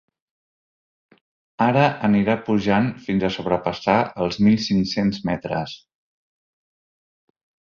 Ara anirà pujant fins a sobrepassar els mil cinc-cents metres.